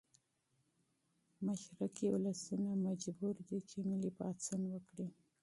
مشرقي ولسونه مجبوري دي چې ملي پاڅون وکړي.